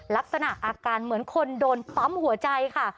ลักษณะอาการเหมือนคนโดนปั๊มหัวใจค่ะ